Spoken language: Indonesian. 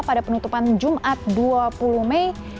pada penutupan jumat dua puluh mei